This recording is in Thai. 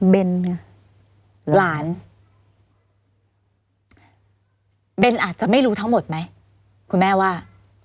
เบนหลานเบนอาจจะไม่รู้ทั้งหมดไหมคุณแม่ว่า